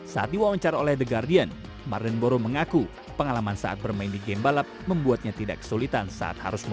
saat diwawancar oleh the guardian mardenborough mengaku pengalaman saat bermain di game balap membuatnya tidak kesulitan saat harus memacu